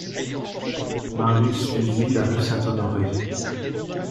Marius suivit la rue Saint-Honoré.